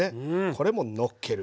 これものっける。